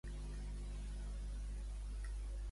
Els familiars de Junqueres llegeixen una carta davant la presó.